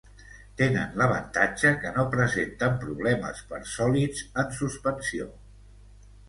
Tenen l'avantatge que no presenten problemes per sòlids en suspensió.